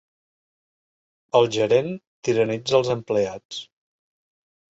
El gerent tiranitza els empleats.